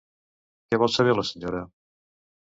Què vol saber la senyora?